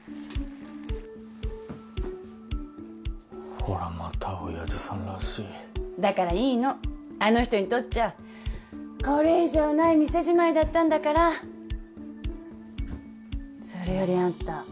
ほらまたオヤジさんらしいだからいいのあの人にとっちゃこれ以上ない店じまいだったんだからそれよりあんた